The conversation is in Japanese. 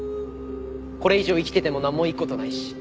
これ以上生きててもなんもいい事ないし。